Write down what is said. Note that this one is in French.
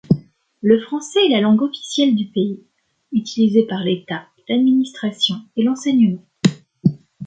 Le français est la langue officielle du pays, utilisée par l'État, l'administration et l'enseignement.